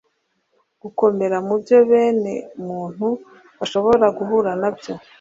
gukomera mu byo bene muntu bashobora guhura na byo.